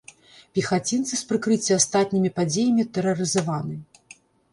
Пехацінцы з прыкрыцця астатнімі падзеямі тэрарызаваны.